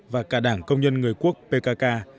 và cả đảng công nhân người quốc pkk